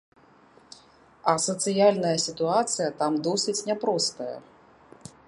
А сацыяльная сітуацыя там досыць няпростая.